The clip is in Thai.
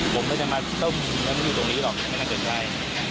ผมไม่จะมาต้มอยู่ตรงนี้หรอกไม่น่าเกิดอะไร